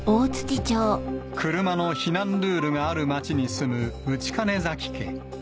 車の避難ルールがある町に住む内金崎家。